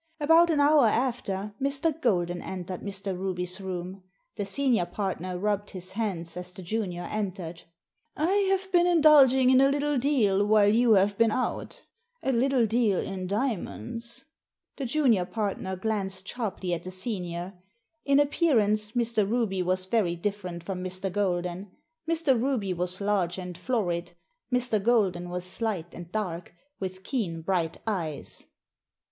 About an hour after Mr. Golden entered Mr. Ruby's room. The senior partner rubbed his hands as the junior entered. " I have been indulging in a little deal while you have been out — a little deal in diamonds." The junior partner glanced sharply at the senior. In appearance Mr. Ruby was very different from Mr. Golden. Mr. Ruby was large and florid. Mr. Golden was slight and dark, with keen, bright eyes.